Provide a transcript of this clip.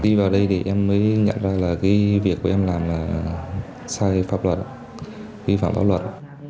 đi vào đây thì em mới nhận ra là cái việc của em làm là sai pháp luật vi phạm pháp luật